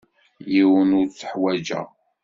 Yiwen ur t-uḥwaǧeɣ.